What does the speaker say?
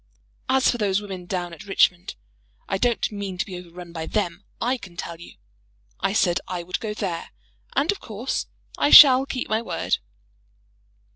"As for those women down at Richmond, I don't mean to be overrun by them, I can tell you. I said I would go there, and of course I shall keep my word."